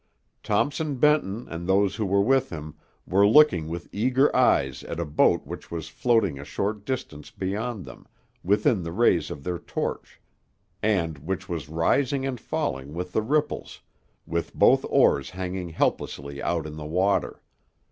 Thompson Benton and those who were with him were looking with eager eyes at a boat which was floating a short distance beyond them, within the rays of their torch, and which was rising and falling with the ripples, with both oars hanging helplessly out in the water.